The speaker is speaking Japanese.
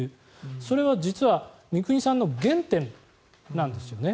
それは実は三國さんの原点なんですよね。